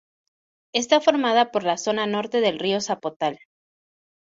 Está formada por la zona norte del río Zapotal.